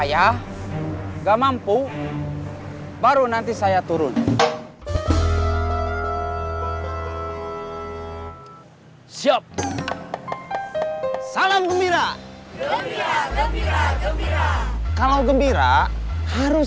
tapi nanti jangan dipanggil bos